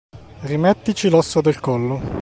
Rimetterci l'osso del collo.